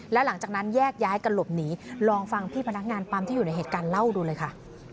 แล้วหลังจากนั้นแยกย้ายกันหลบหนีลองฟังพี่พนักงานปั๊มที่อยู่ในเหตุการณ์เล่าดูเลยค่ะ